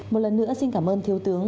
một lần nữa xin cảm ơn thiếu tướng